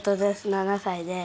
７歳です。